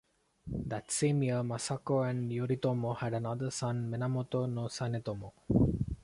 That same year, Masako and Yoritomo had another son, Minamoto no Sanetomo.